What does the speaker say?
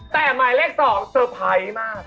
แต่หมายเลข๒เซอร์ไพรส์มาก